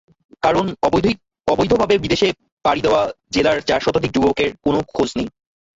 কারণ, অবৈধভাবে বিদেশে পাড়ি দেওয়া জেলার চার শতাধিক যুবকের কোনো খোঁজ নেই।